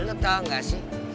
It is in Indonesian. lo tau gak sih